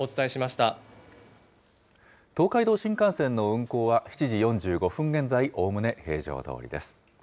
東海道新幹線の運行は、７時４５分現在、おおむね平常どおりです。